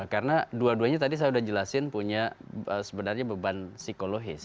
karena dua duanya tadi saya sudah jelasin punya sebenarnya beban psikologis